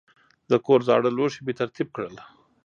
د کور زاړه لوښي مې ترتیب کړل.